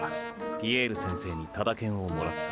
ピエール先生にタダ券をもらった。